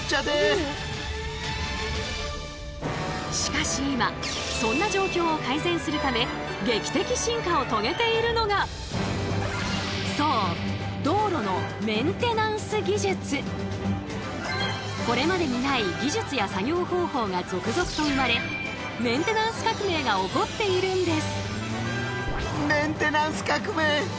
しかし今そんな状況を改善するため劇的進化を遂げているのがそうこれまでにない技術や作業方法が続々と生まれメンテナンス革命が起こっているんです。